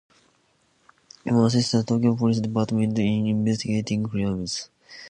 Emma assist the Tokyo police department in investigating crimes.